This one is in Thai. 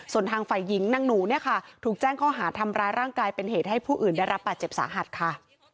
ส่วนทางฝ่ายหญิงนางหนูเนี่ยค่ะถูกแจ้งข้อหาทำร้ายร่างกายเป็นเหตุให้ผู้อื่นได้รับบาดเจ็บสาหัสค่ะ